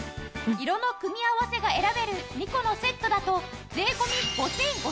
色の組み合わせが選べる２個のセットだと税込５５００円。